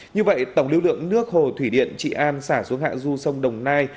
như vậy tổng lưu lượng nước hồ thủy điện trị an xả xuống hạ du sông đồng nai